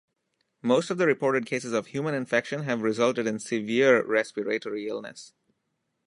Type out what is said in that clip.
Most of the reported cases of human infection have resulted in severe respiratory illness.